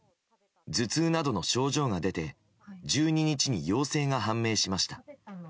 頭痛などの症状が出て１２日に陽性が判明しました。